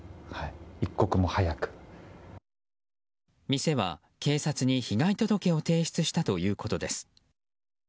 店は警察に被害届を提出したということです。